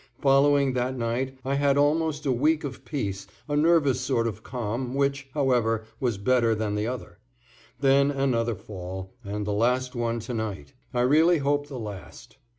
Following that night I had almost a week of peace, a nervous sort of calm which, however, was better than the other. Then another fall, and the last one to night, I really hope the last.